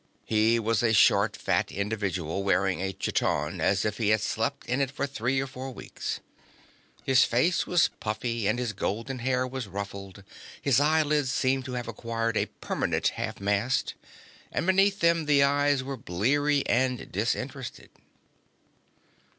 He was a short, fat individual wearing a chiton as if he had slept in it for three or four weeks. His face was puffy and his golden hair was ruffled. His eyelids seemed to have acquired a permanent half mast, and beneath them the eyes were bleary and disinterested.